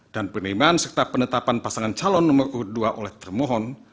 dan penerimaan serta penetapan pasangan calon nomor urut dua oleh termohon